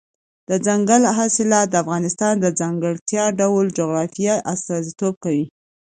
دځنګل حاصلات د افغانستان د ځانګړي ډول جغرافیه استازیتوب کوي.